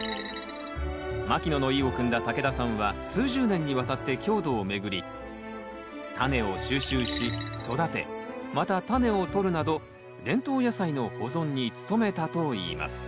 牧野の意をくんだ竹田さんは数十年にわたって郷土を巡りタネを収集し育てまたタネをとるなど伝統野菜の保存に努めたといいます。